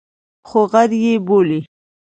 خو غر یې بولي.